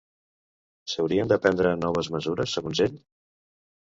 S'haurien de prendre noves mesures, segons ell?